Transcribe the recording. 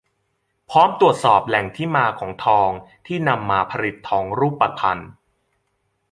พร้อมตรวจสอบแหล่งที่มาของทองที่นำมาผลิตทองรูปพรรณ